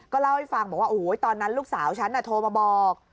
เล่าให้ฟังบอกว่าโอ้โหตอนนั้นลูกสาวฉันโทรมาบอก